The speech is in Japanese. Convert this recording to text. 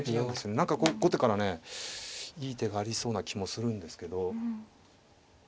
何かこう後手からねいい手がありそうな気もするんですけど。